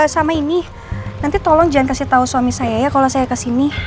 sama ini nanti tolong jangan kasih tahu suami saya ya kalau saya kesini